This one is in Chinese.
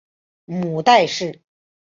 母戴氏。